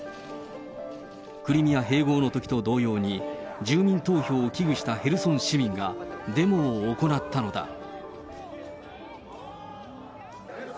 クリミア併合のときと同様に、住民投票を危惧したヘルソン市民がデモを行ったのだ。